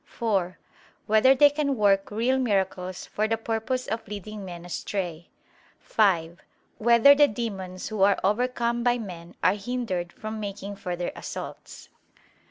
(4) Whether they can work real miracles for the purpose of leading men astray? (5) Whether the demons who are overcome by men, are hindered from making further assaults?